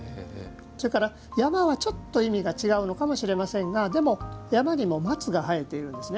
それから、山は意味が違うのかもしれませんがでも山には松が生えているんです。